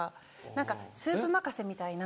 何かスープ任せみたいな。